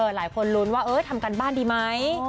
หลายคนรู้ว่าเออทำกันบ้านดีไหม